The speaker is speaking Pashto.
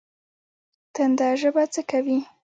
تنده ژبه څه کوي؟